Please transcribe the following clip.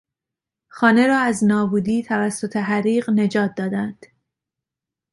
خانه را از نابودی توسط حریق نجات دادند.